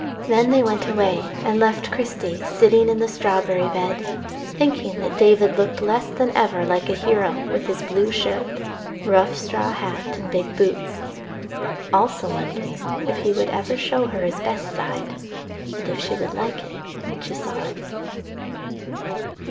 Then they went away, and left Christie sitting in the strawberry bed, thinking that David looked less than ever like a hero with his blue shirt, rough straw hat, and big boots; also wondering if he would ever show her his best side, and if she would like it when she saw it.